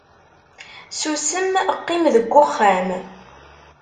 susem, qqim deg uxxam